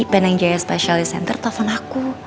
penang jaya specialist center telfon aku